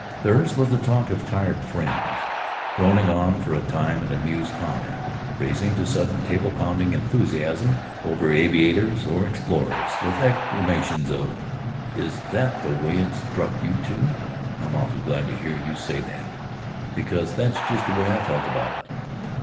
Theirs was the talk of tried friends; droning on for a time in amused comment, rising to sudden table pounding enthusiasms over aviators or explorers, with exclamations of, "Is that the way it struck you, too? I'm awfully glad to hear you say that, because that's just the way I felt about it."